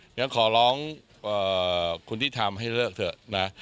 งั้นขอร้องคุณที่ทำให้เลิกเถอะนะ